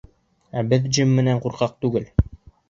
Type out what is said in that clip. Ә беҙ Джим менән ҡурҡаҡ түгел.